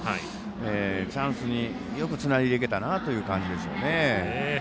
チャンスによくつないでいけたなという感じですね。